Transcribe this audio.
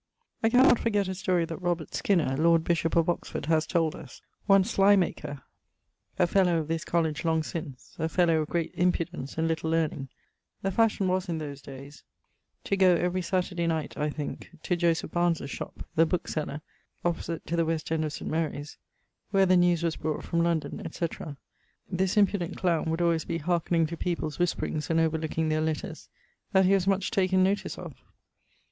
I cannot forget a story that Robert Skinner, lord bishop of Oxford, haz told us: one Slymaker[N], a fellow of this College long since, a fellow of great impudence, and little learning the fashion was in those dayes to goe, every Satterday night (I thinke), to Joseph Barnes' shop, the bookeseller (opposite to the west end of St. Mary's), where the newes was brought from London, etc. this impudent clowne would alwayes be hearkning to people's whisperings and overlooking their letters, that he was much taken notice of.